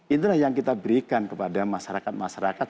itulah yang kita berikan kepada masyarakat masyarakat